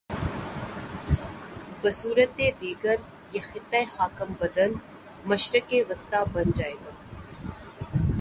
بصورت دیگریہ خطہ خاکم بدہن، مشرق وسطی بن جا ئے گا۔